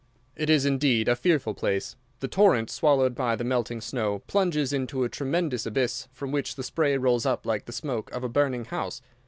It is indeed, a fearful place. The torrent, swollen by the melting snow, plunges into a tremendous abyss, from which the spray rolls up like the smoke from a burning house.